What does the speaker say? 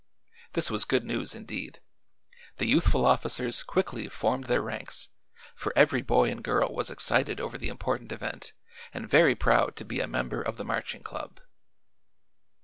This was good news, indeed. The youthful officers quickly formed their ranks, for every boy and girl was excited over the important event and very proud to be a member of the Marching Club.